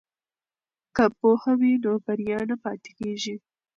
که پوهه وي نو بریا نه پاتې کیږي.